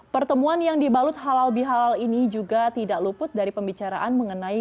pertemuan yang dibalut halal bihalal ini juga tidak luput dari pembicaraan mengenai